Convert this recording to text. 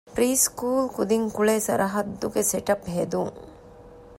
ޕްރީސްކޫލް ކުދިން ކުޅޭ ސަރަޙައްދުގެ ސެޓަޕް ހެދުން